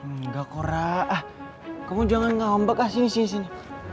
nggak kora ah kamu jangan ngambek ah sini sini sini